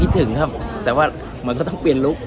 ก็คิดถึงครับแต่ว่ามันก็ต้องเปลี่ยนลุค